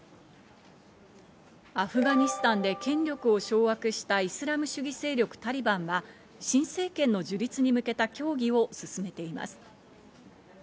アフガニスタンで権力を掌握したイスラム主義勢力・タリバンは新政権の樹立に向けた協議を進めています。